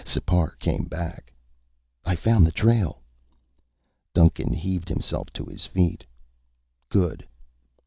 Sipar came back. "I found the trail." Duncan heaved himself to his feet. "Good."